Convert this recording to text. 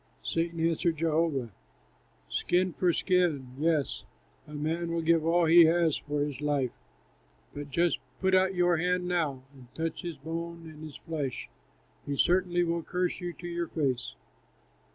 Satan answered Jehovah, "Skin for skin, yes, a man will give all that he has for his life. But just put out your hand now, and touch his bone and his flesh; he certainly will curse you to your face."